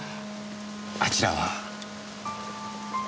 あちらは。